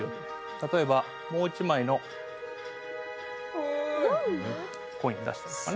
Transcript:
例えばもう一枚のコイン出したりとかね。